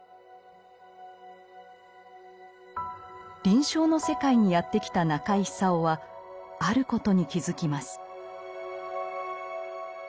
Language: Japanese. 臨床の世界にやって来た中井久夫はあることに気付きます。